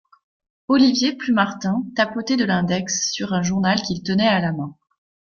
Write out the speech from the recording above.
Olivier Plumartin tapotait de l'index sur un journal qu'il tenait à la main.